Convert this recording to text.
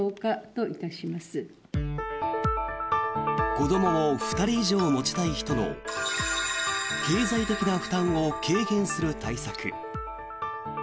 子どもを２人以上持ちたい人の経済的な負担を軽減する対策。